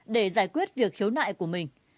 để giải quyết việc khiếu nại của mình